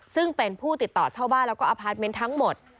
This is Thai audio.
ซึ่งเป็นผู้ติดต่อเช่าบ้านแล้วก็อพาร์ทเมนต์ทั้งหมด